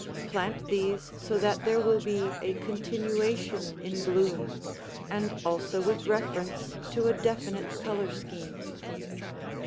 Plant these so that there will be a continuation in bloom, and also with reference to a definite color scheme.